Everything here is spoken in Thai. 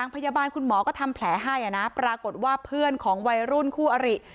พยาบาลคุณหมอก็ทำแผลให้นะปรากฏว่าเพื่อนของวัยรุ่นคู่อริ